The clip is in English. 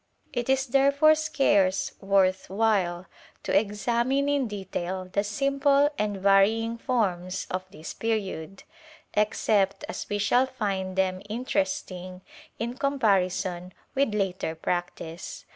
^ It is therefore scarce worth while to examine in detail the simple and varying forms of this period, except as we shall find them interesting in comparison with later practice.